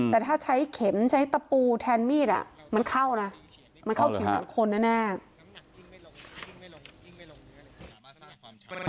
แต่ถ้าใช้เข็มใช้ตะปูแทนมีดมันเข้านะมันเข้าเข็มของคนแน่